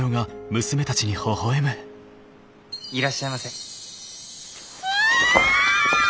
いらっしゃいませ。